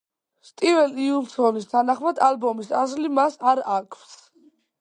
სტივენ უილსონის თანახმად, ალბომის ასლი მას არ აქვს.